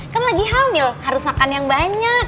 kan lagi hamil harus makan yang banyak